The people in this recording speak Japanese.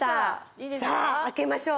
さあ開けましょう。